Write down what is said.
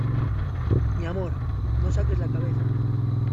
mi amor, no saques la cabeza.